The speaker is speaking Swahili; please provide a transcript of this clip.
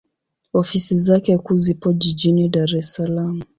Ofisi zake kuu zipo Jijini Dar es Salaam.